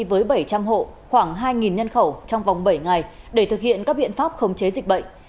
với bảy trăm linh hộ khoảng hai nhân khẩu trong vòng bảy ngày để thực hiện các biện pháp khống chế dịch bệnh